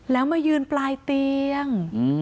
แล้วมายืนปลายเตียง